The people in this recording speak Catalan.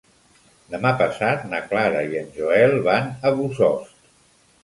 Demà passat na Clara i en Joel van a Bossòst.